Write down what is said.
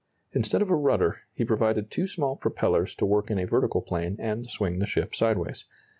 Instead of a rudder, he provided two small propellers to work in a vertical plane and swing the ship sideways.